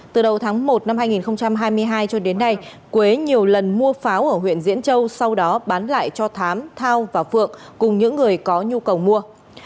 từ đầu tháng một năm hai nghìn hai mươi hai cho đến nay quế nhiều lần mua pháo ở huyện diễn châu sau đó bán lại cho thám thao và phượng cùng những người có nhu cầu mua